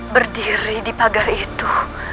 berdiri di pagar itu